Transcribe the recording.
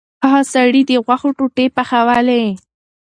هغه سړي د غوښو ټوټې پخولې.